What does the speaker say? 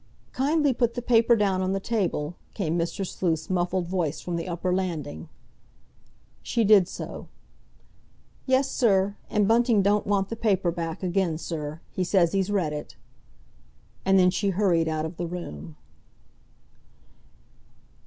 "Kindly put the paper down on the table," came Mr. Sleuth's muffled voice from the upper landing. She did so. "Yes, sir. And Bunting don't want the paper back again, sir. He says he's read it." And then she hurried out of the room.